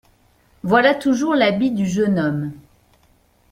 Voilà toujours l’habit du jeune homme…